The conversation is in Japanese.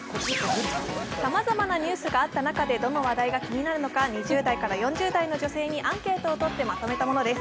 さまざまなニュースがあった中でどの話題が気になるのか２０代から４０代の女性にアンケートをとってまとめたものです。